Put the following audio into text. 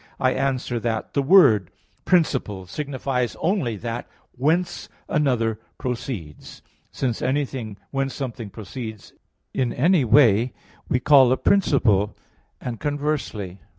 I answer that, The word "principle" signifies only that whence another proceeds: since anything whence something proceeds in any way we call a principle; and conversely.